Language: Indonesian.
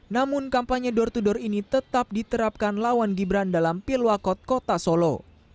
namun kampanye door to door ini tetap diterapkan lawan gibran dalam pilwakot kota solo